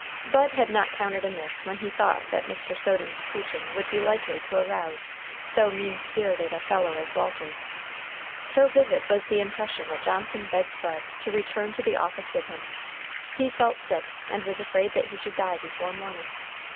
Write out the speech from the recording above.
Bud had not counted amiss when he thought that Mr. Soden's preaching would be likely to arouse so mean spirited a fellow as Walter. So vivid was the impression that Johnson begged Bud to return to the office with him. He felt sick, and was afraid that he should die before morning.